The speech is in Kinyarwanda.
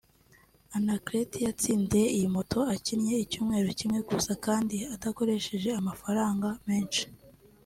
Anaclet yatsindiye iyi moto akinnye icyumweru kimwe gusa kandi adakoresheje amafaranga menshi